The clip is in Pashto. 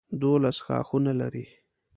دولس ښاخونه لري.